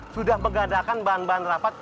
sudah mengadakan bahan bahan rapat